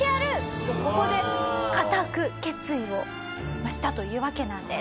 とここで固く決意をしたというわけなんです。